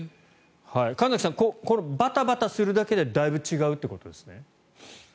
神崎さん、バタバタするだけでだいぶ違うということですね。